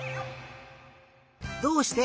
「どうして」